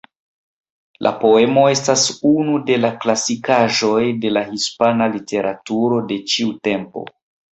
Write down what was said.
La poemo estas unu de la klasikaĵoj de la hispana literaturo de ĉiu tempo.